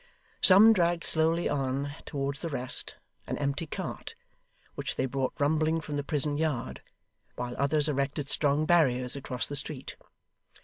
Some dragged slowly on, towards the rest, an empty cart, which they brought rumbling from the prison yard; while others erected strong barriers across the street.